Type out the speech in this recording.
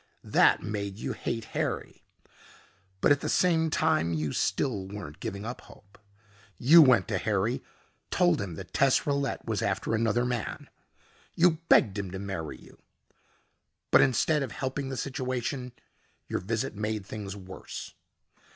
That made you hate Harry. But at the same time you still weren't giving up hope. You went to Harry, told him that Tess Rillette was after another man. You begged him to marry you. But instead of helping the situation, your visit made things worse.